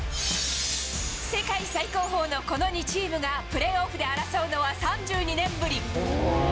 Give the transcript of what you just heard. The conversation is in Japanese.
世界最高峰のこの２チームがプレーオフで争うのは３２年ぶり。